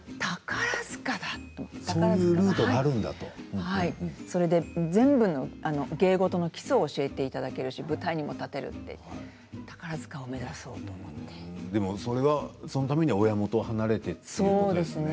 そういうルートが全部、芸事の基礎を教えていただけるし舞台にも立てるってそのためには親元を離れてということですね。